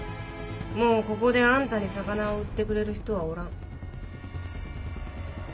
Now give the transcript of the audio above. もうここであんたに魚を売ってくれる人はおらん。